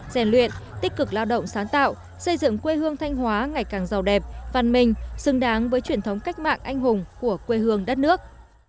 rèn luyện tích cực lao động sáng tạo xây dựng quê hương thanh hóa ngày càng giàu đẹp văn minh xứng đáng với truyền thống cách mạng anh hùng của quê hương đất nước